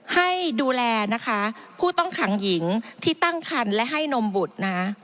ให้ดูแลนะคะผู้ต้องขังหญิงที่ตั้งคันและให้นมบุตรนะ